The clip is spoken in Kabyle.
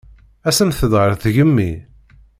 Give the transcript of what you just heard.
Asemt-d ɣer tgemmi.